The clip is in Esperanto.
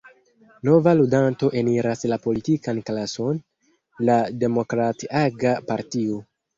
Nova ludanto eniras la politikan klason: la Demokrat-aga Partio.